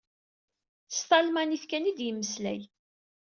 S talmanit kan i d-yemmeslay.